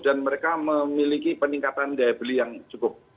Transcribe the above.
dan mereka memiliki peningkatan daya beli yang cukup